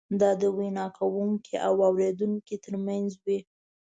دا د وینا کوونکي او اورېدونکي ترمنځ وي.